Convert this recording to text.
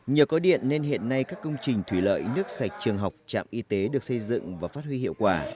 nhờ có điện nên hiện nay các công trình thủy lợi nước sạch trường học trạm y tế được xây dựng và phát huy hiệu quả